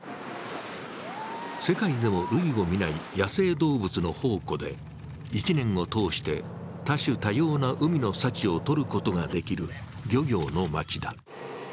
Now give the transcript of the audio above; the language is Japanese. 世界でも類を見ない野生動物の宝庫で一年を通して多種多様な海の幸をとることができる漁業の町だ。